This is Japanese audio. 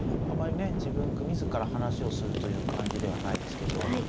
あんまりね自ら話をするという感じではないですけど。